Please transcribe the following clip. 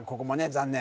残念